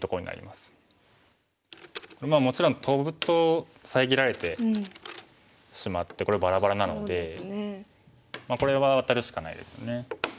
まあもちろんトブと遮られてしまってこれバラバラなのでこれはワタるしかないですよね。